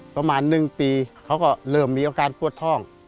ประมาณนึงปีเริ่มมีโอกาสปลวดท่อง